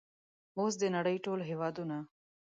اوس د نړۍ ټول هیوادونه